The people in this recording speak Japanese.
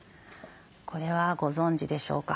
これはご存じでしょうか？